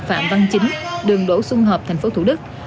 bạm văn chính đường đỗ xuân hợp tp thủ đức